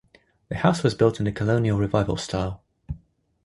The house was built in the Colonial Revival style.